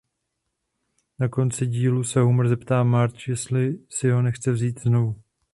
Na konci dílu se Homer zeptá Marge jestli si ho nechce vzít znovu.